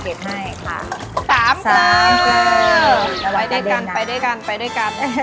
โอ้ยเยอะมาก